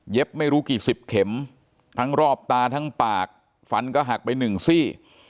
ไม่รู้กี่สิบเข็มทั้งรอบตาทั้งปากฟันก็หักไปหนึ่งซี่